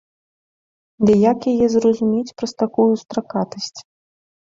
Ды як яе зразумець праз такую стракатасць?